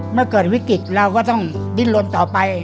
เมื่อเกิดวิกฤตเราก็ต้องดิ้นลนต่อไป